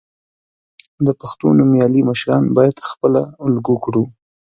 د پښتو نومیالي مشران باید خپله الګو کړو.